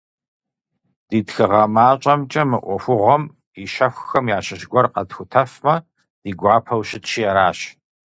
Ди тхыгъэ мащӏэмкӏэ мы ӏуэхугъуэм и щэхухэм ящыщ гуэр къэтхутэфмэ, ди гуапэу щытщи аращ.